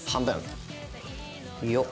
よっ。